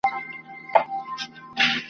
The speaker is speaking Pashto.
په خپل ژوند یې دومره شته نه وه لیدلي ..